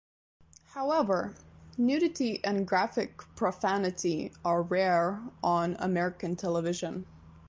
However, nudity and graphic profanity are rare on American television.